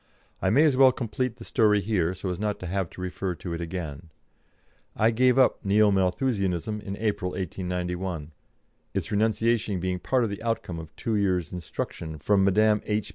I may as well complete the story here, so as not to have to refer to it again. I gave up Neo Malthusianism in April, 1891, its renunciation being part of the outcome of two years' instruction from Mdme. H.